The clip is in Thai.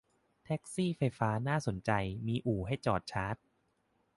แท็กซี่ไฟฟ้าน่าสนใจ มีอู่ให้จอดชาร์จ